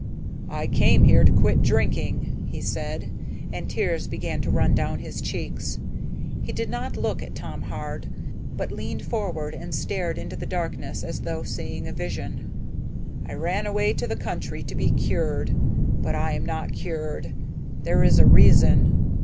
"I came here to quit drinking," he said, and tears began to run down his cheeks. He did not look at Tom Hard, but leaned forward and stared into the darkness as though seeing a vision. "I ran away to the country to be cured, but I am not cured. There is a reason."